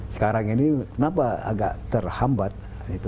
sekarang ini kenapa agak terhambat